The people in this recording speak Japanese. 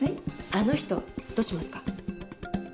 あの人どうしますか？